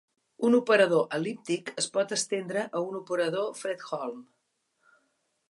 Un operador el·líptic es pot estendre a un operador Fredholm.